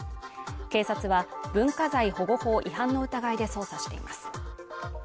警察は文化財保護法違反の疑いで捜査しています